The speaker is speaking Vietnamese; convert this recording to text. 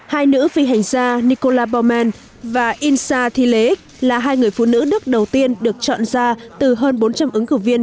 hai nữ phi hành gia nicola baumann và insa thielek là hai người phụ nữ đức đầu tiên được chọn ra từ hơn bốn trăm linh ứng cử viên